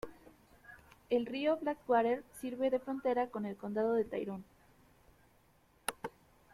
El río Blackwater sirve de frontera con el Condado de Tyrone.